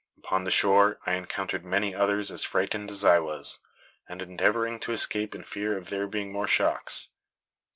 Upon the shore I encountered many others as frightened as I was, and endeavoring to escape in fear of there being more shocks.